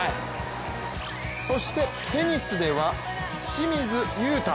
そしてテニスでは清水悠太。